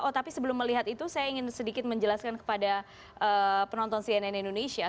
oh tapi sebelum melihat itu saya ingin sedikit menjelaskan kepada penonton cnn indonesia